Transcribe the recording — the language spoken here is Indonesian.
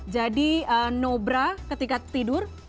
jadi no bra ketika tidur